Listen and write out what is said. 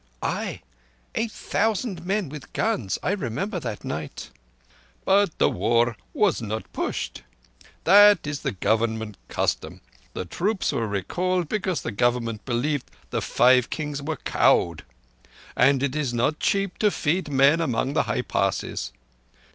"Ay—eight thousand men with guns. I remember that night." "But the war was not pushed. That is the Government custom. The troops were recalled because the Government believed the Five Kings were cowed; and it is not cheap to feed men among the high Passes.